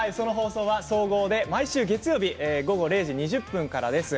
総合で毎週月曜日午後０時２０分からです。